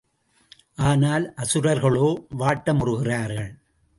ஆனால் அசுரர்களோ வாட்டமுறுகிறார்கள்.